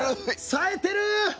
さえてる。